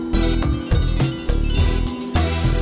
maaf aku udah mau terlambat